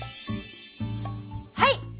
はい！